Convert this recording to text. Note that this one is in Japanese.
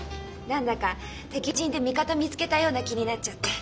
何だか敵陣で味方見つけたような気になっちゃって。